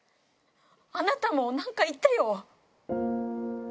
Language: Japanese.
あなたも何か言ってよ！